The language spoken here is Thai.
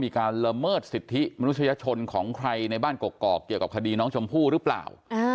การละเมิดสิทธิมนุษยชนของใครในบ้านกอกเกี่ยวกับคดีน้องชมพู่หรือเปล่า